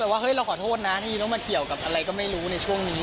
แต่ว่าเฮ้ยเราขอโทษนะที่ต้องมาเกี่ยวกับอะไรก็ไม่รู้ในช่วงนี้